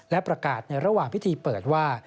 และประกาศในระหว่างพิธีเปิดว่า